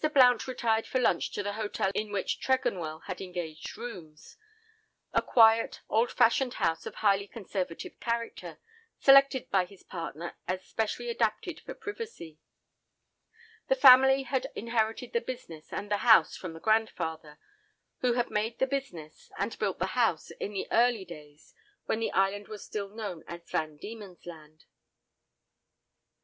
Blount retired for lunch to the hotel in which Tregonwell had engaged rooms—a quiet, old fashioned house of highly conservative character, selected by his partner as specially adapted for privacy. The family had inherited the business and the house from the grandfather, who had made the business, and built the house in the early days when the island was still known as Van Diemen's Land. Mr.